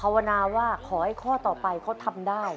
วนาว่าขอให้ข้อต่อไปเขาทำได้